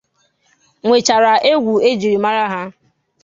nwechara egwu e jiri mara ha